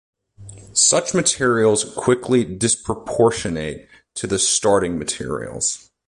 Such materials quickly disproportionate to the starting materials.